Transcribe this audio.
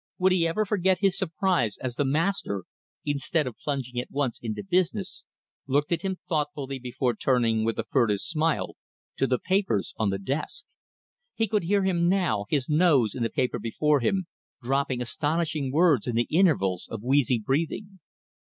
Would he ever forget his surprise as the master, instead of plunging at once into business, looked at him thoughtfully before turning, with a furtive smile, to the papers on the desk? He could hear him now, his nose in the paper before him, dropping astonishing words in the intervals of wheezy breathing.